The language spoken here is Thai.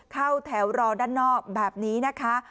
เข้าแถวรอด้านนอกแบบนี้นะคะ